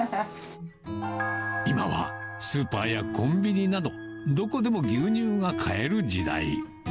今はスーパーやコンビニなど、どこでも牛乳が買える時代。